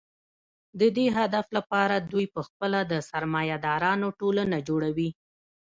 د دې هدف لپاره دوی په خپله د سرمایه دارانو ټولنه جوړوي